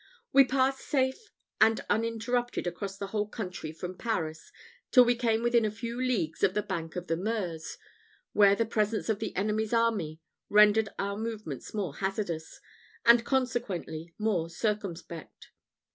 We passed safe and uninterrupted across the whole country from Paris till we came within a few leagues of the banks of the Meuse, where the presence of the enemy's army rendered our movements more hazardous, and consequently more circumspect.